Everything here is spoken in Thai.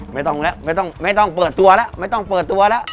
ไม่ต้องแล้วไม่ต้องไม่ต้องเปิดตัวแล้วไม่ต้องเปิดตัวแล้ว